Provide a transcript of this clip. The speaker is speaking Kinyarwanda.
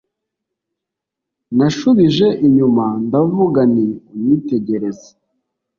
nashubije inyuma ndavuga nti unyitegereze